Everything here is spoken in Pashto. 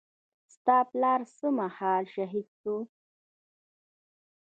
ستا پلار څه مهال شهيد سو.